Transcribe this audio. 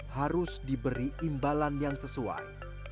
harus diberi imbalan yang sesuai